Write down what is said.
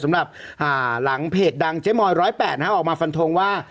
สำหรับหลังเพจดังเจ๊มอย๑๐๘ออกมาฟันทงว่า